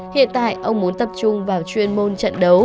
hiện tại ông muốn tập trung vào chuyên môn trận đấu